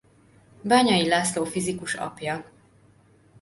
Bányai László fizikus apja.